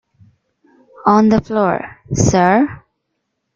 On the floor, sir?